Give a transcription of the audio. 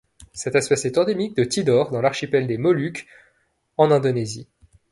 Cette espèce est endémique de Tidore dans l'archipel des Moluques en Indonésie.